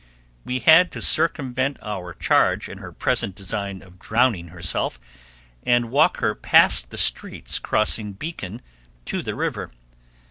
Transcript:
We had to circumvent our charge in her present design of drowning herself, and walk her past the streets crossing Beacon to the river.